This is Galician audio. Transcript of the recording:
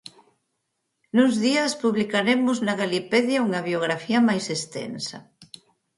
Nus días publicaremos na Galipedia unha biografía máis extensa.